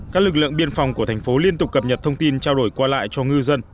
các lực lượng biên phòng của thành phố liên tục cập nhật thông tin trao đổi qua lại cho ngư dân